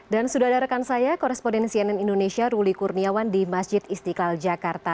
dan sudah ada rekan saya korespondensi nn indonesia ruli kurniawan di masjid istiqlal jakarta